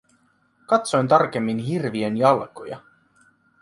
Katsoin tarkemmin hirviön jalkoja.